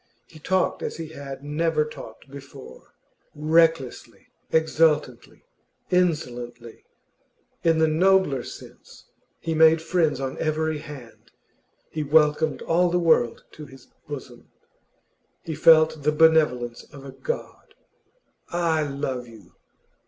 He talked as he had never talked before, recklessly, exultantly, insolently in the nobler sense. He made friends on every hand; he welcomed all the world to his bosom; he felt the benevolence of a god. 'I love you!